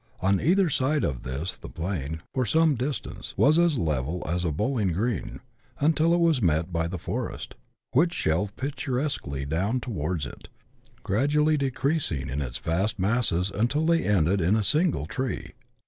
On either side of this the plain, for some distance, was as level as a bowling green, until it was met by the forest, which shelved picturesquely down towards it, gradually decreasing in its vast masses until they ended in a single tree.